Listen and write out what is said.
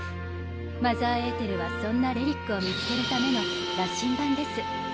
マザーエーテルはそんな遺物を見つけるための羅針盤です。